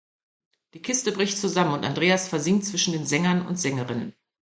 Die Kiste bricht zusammen und Andreas versinkt zwischen den Sängern und Sängerinnen.